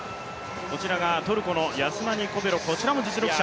こちらがトルコのヤスマニ・コペロ、こちらも実力者。